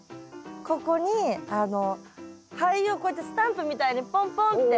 ここに灰をこうやってスタンプみたいにぽんぽんって。